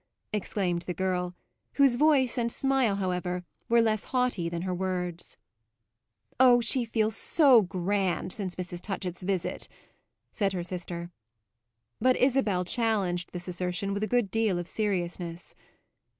exclaimed the girl; whose voice and smile, however, were less haughty than her words. "Oh, she feels so grand since Mrs. Touchett's visit," said her sister. But Isabel challenged this assertion with a good deal of seriousness.